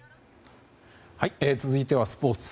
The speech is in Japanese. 続いてはスポーツ。